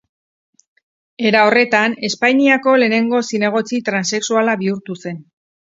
Era horretan Espainiako lehenengo zinegotzi transexuala bihurtu zen.